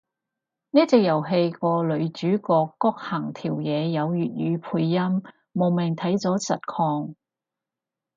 呢隻遊戲個女主角谷恆條嘢有粵語配音，慕名睇咗實況